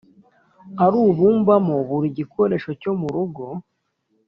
arubumbamo buri gikoresho cyo mu rugo;